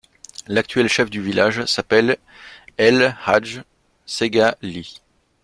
L'actuel chef de village s'appelle El hadj Sega Ly.